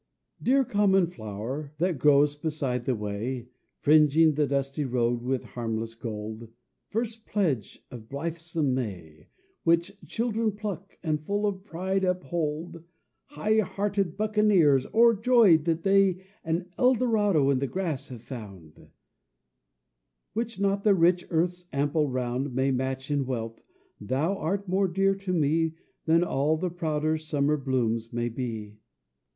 Dear common flower, that grow'st beside the way, Fringing the dusty road with harmless gold, First pledge of blithesome May, Which children pluck, and, full of pride, uphold, High hearted buccaneers, o'erjoyed that they An Eldorado in the grass have found, Which not the rich earth's ample round May match in wealth, thou art more dear to me Than all the prouder summer blooms may be.